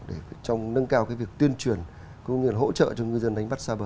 để nâng cao việc tuyên truyền hỗ trợ cho ngư dân đánh bắt xa bờ